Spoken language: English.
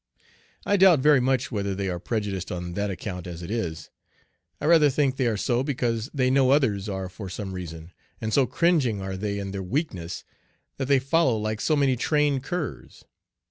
I doubt very much whether they are prejudiced on that account as it is. I rather think they are so because they know others are for some reason, and so cringing are they in their weakness that they follow like so many trained curs.